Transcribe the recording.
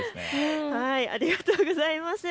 ありがとうございます。